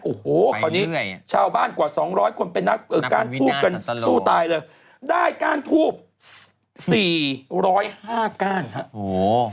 โอ้โหคราวนี้ชาวบ้านกว่าสองร้อยคนเป็นนักก้านทูบกันสู้ตายเลยได้ก้านทูบสี่ร้อยห้าก้านครับ